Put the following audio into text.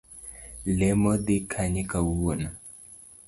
Lemo dhi kanye kawuono.